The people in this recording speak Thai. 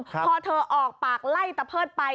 พอเธอออกปากไล่ตะเพิดไป